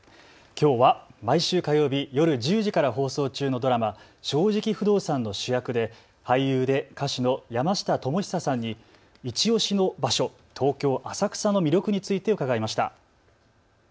きょうは毎週火曜日夜１０時から放送中のドラマ、正直不動産の主役で俳優で歌手の山下智久さんにいちオシの場所、東京浅草の魅力について伺いました。